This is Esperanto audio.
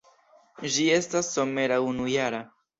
Ĝi estas somera unujara.